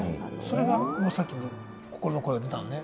それがさっき心の声出たのね。